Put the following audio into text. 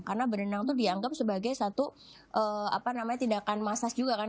karena berenang itu dianggap sebagai satu tindakan massage juga kan